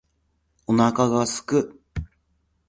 お腹が空く